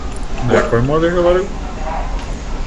На якой мове гаварыў?